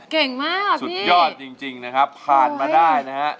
เก่งมากสุดยอดจริงนะครับผ่านมาได้นะฮะ